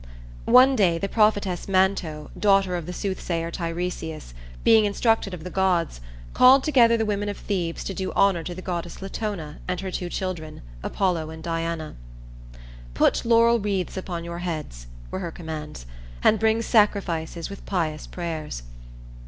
One day the prophetess Manto, daughter of the soothsayer Tiresias, being instructed of the gods, called together the women of Thebes to do honor to the goddess Latona and her two children, Apollo and Diana. "Put laurel wreaths upon your heads," were her commands, "and bring sacrifices with pious prayers."